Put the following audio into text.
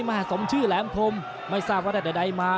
สมชื่อแหลมพรมไม่ทราบว่าได้ใดมา